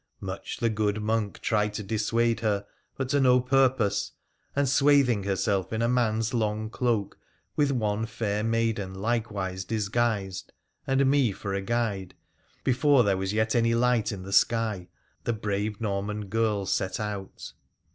Much the good monk tried to dissuade her, but to no purpose, and swathing herself in a man's long cloak, with one fair maiden likewise disguised, and me for a guide, before there was yet any light in the sky the brave Norman girl set out.